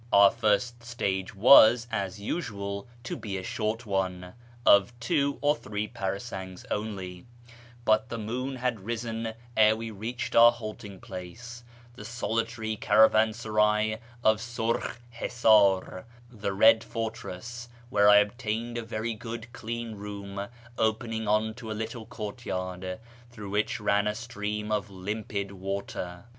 Our lirst stage was, as usual, to bu a short one, of two oi' three parasaugs only, but tlie moon had risen ere we reached our halting place, the solitary caravansaray of Surkh Hisiir (" the l\ed Portress "), where I obtained a very good clean room, opening on to a little courtyard, through which ran a stream of limpid water.